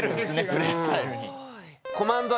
プレースタイルに。